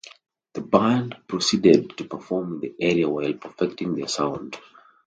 The band proceeded to perform in the area while perfecting their sound.